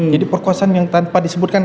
jadi perkosaan yang tanpa disebutkan